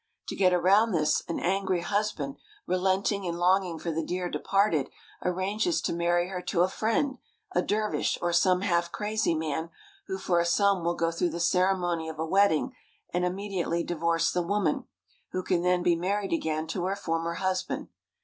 To get around this, an angry husband, relenting and longing for the dear de parted, arranges to marry her to a friend, a dervish, or some half crazy man, who for a sum will go through the ceremony of a wedding and immediately divorce the woman, who can then be married again to her former husband.